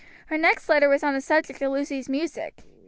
Her next letter was on the subject of Lucy's music.